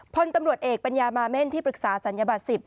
พลตำรวจเอกปัญญามาเม่นที่ปรึกษาศัลยบัตร๑๐